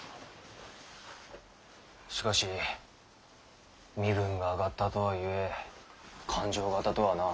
しかし身分が上がったとはいえ勘定方とはな。